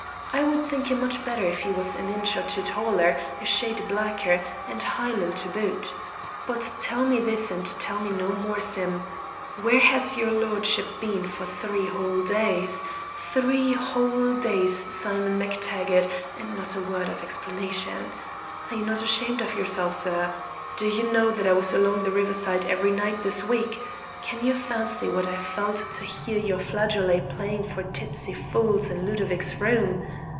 "I would think him much better if he was an inch or two taller, a shade blacker, and Hielan' to boot. But tell me this, and tell me no more, Sim; where has your lordship been for three whole days? Three whole days, Simon MacTaggart, and not a word of explanation. Are you not ashamed of yourself, sir? Do you know that I was along the riverside every night this week? Can you fancy what I felt to hear your flageolet playing for tipsy fools in Ludovic's room?